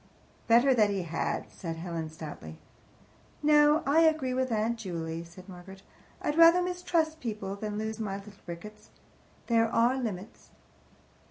"Better that he had," said Helen stoutly. "No, I agree with Aunt Juley," said Margaret. "I'd rather mistrust people than lose my little Ricketts. There are limits."